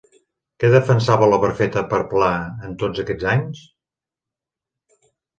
Què defensava l'obra feta per Pla en tots aquests anys?